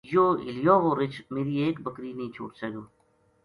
یوہ حِلیو وو رچھ میری ایک بکری نیہہ چھوڈسے گو